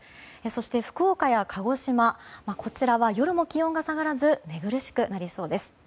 そして福岡や鹿児島は夜も気温が下がらず寝苦しくなりそうです。